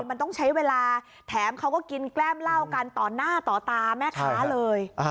มันต้องใช้เวลาแถมเขาก็กินแกล้มเหล้ากันต่อหน้าต่อตาแม่ค้าเลย